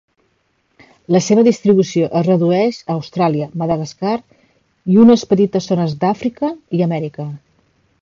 La seva distribució es redueix a Austràlia, Madagascar, i unes petites zones d'Àfrica i Amèrica.